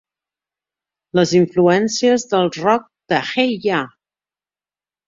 Les influències del rock de Hey Ya!